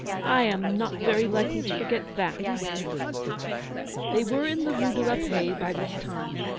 I am not very likely to forget that, I think." They were in the Rue de la Paix by this time.